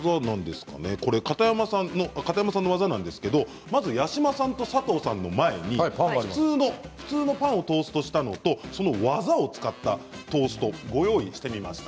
片山さんの技ですがまず八嶋さんと佐藤さんの前に普通のパンをトーストしたものとその技を使ったトーストご用意しました。